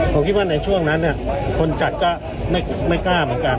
ผมคิดว่าในช่วงนั้นคนจัดก็ไม่กล้าเหมือนกัน